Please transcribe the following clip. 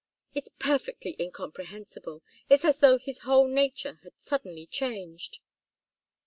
It's perfectly incomprehensible! It's as though his whole nature had suddenly changed."